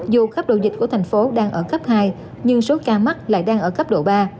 dù khắp độ dịch của thành phố đang ở cấp hai nhưng số ca mắc lại đang ở cấp độ ba